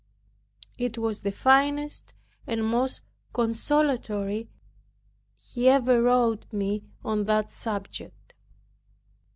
It was the finest and most consolatory he ever wrote me on that subject.